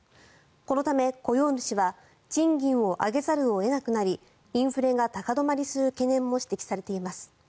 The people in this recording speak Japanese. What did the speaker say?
このため、雇用主は賃金を上げざるを得なくなりインフレが高止まりする懸念も指摘されています。